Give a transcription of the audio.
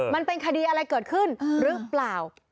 มันเป็นคดีอะไรเกิดขึ้นหรือเปล่า